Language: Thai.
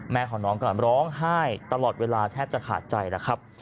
แม่ของน้องกำลังร้องไห้ตลอดเวลาแทบจะขาดใจแล้วครับ